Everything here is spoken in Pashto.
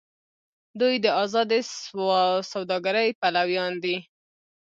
دوی د ازادې سوداګرۍ پلویان دي.